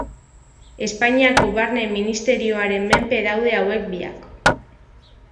Espainiako Barne Ministerioaren menpe daude hauek biak.